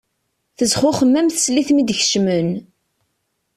Tezxuxem am teslit mi d-kecmen.